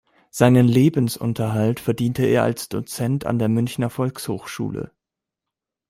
Seinen Lebensunterhalt verdiente er als Dozent an der Münchner Volkshochschule.